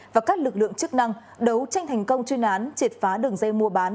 và các lực lượng chức năng đấu tranh thành công chuyên án triệt phá đường dây mua bán